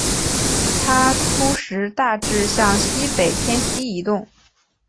它初时大致向西北偏西移动。